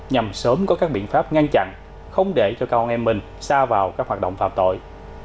nhằm sớm có các biện pháp ngăn chặn không để cho con em mình xa vào các hoạt động phạm tội